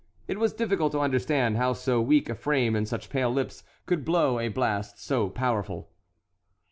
It was difficult to understand how so weak a frame and such pale lips could blow a blast so powerful.